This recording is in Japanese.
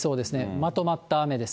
まとまった雨です。